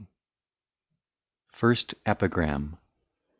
First EPIGRAM.